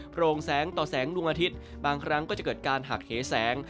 โรงแสงต่อแสงดวงอาทิตย์บางครั้งก็จะเกิดการหักเหแสง